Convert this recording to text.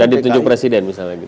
dan ditunjuk presiden misalnya gitu